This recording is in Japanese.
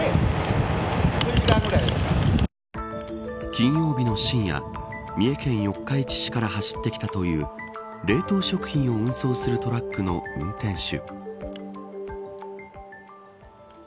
金曜日の深夜三重県四日市市から走ってきたという冷凍食品を運送するトラックの運転手。